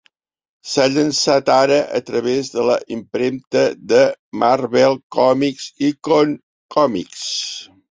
S'ha llançat, ara, a través de la impremta de Marvel Comics Icon Comics.